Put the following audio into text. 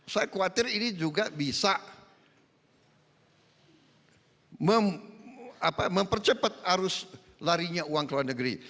saya khawatir ini juga bisa mempercepat arus larinya uang ke luar negeri